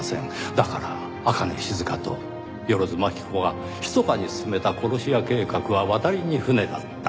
だから朱音静と万津蒔子がひそかに進めた殺し屋計画は渡りに船だった。